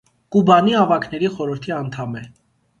«Կուբանի» ավագների խորհրդի անդամ է։